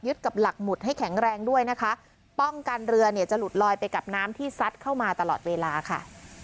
กับหลักหมุดให้แข็งแรงด้วยนะคะป้องกันเรือเนี่ยจะหลุดลอยไปกับน้ำที่ซัดเข้ามาตลอดเวลาค่ะ